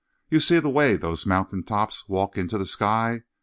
You see the way those mountain tops walk into the sky?